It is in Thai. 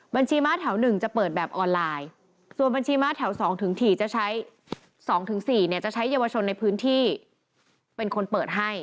บัญชีม้าแถวหนึ่งจะเปิดแบบออนไลน์ส่วนบัญชีม้าแถว๒ถึง๔จะใช้เยาวชนในพื้นที่เป็นคนเปิดให้